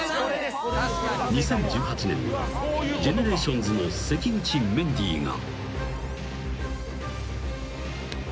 ［２０１８年にはＧＥＮＥＲＡＴＩＯＮＳの関口メンディーが］